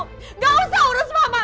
tidak usah urus mama